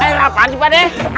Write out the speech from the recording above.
air apaan sih pak deh